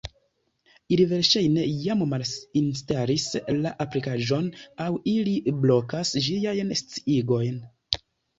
Ili verŝajne jam malinstalis la aplikaĵon, aŭ ili blokas ĝiajn sciigojn.